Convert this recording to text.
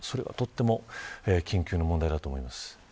それがとても緊急の問題だと思います。